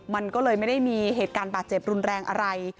มันก็เลยไม่ได้มีเหตุการณ์บาดเจ็บรุนแรงอะไร